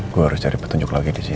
gue harus cari petunjuk lagi disini